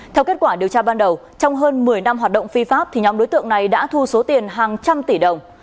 theo kết quả điều tra ban đầu trong hơn một mươi năm hoạt động phi pháp nhóm đối tượng này đã thu số tiền hàng trăm tỷ đồng